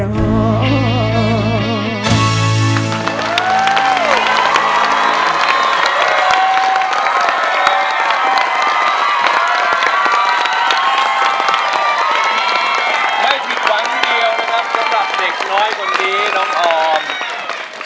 ไม่ผิดหวังทีเดียวนะครับสำหรับเด็กน้อยคนนี้น้องออม